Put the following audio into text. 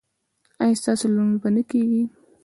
ایا ستاسو لمونځ به نه کیږي؟